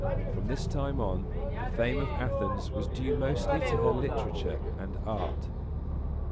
From this time on, the fame of Athens was due mostly to her literature and art.